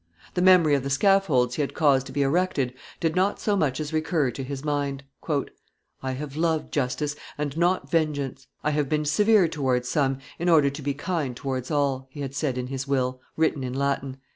The memory of the scaffolds he had caused to be erected did not so much as recur to his mind. "I have loved justice, and not vengeance. I have been severe towards some in order to be kind towards all," he had said in his will, written in Latin.